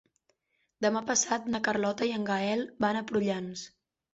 Demà passat na Carlota i en Gaël van a Prullans.